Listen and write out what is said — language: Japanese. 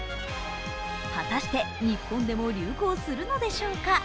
果たして日本でも流行するのでしょうか。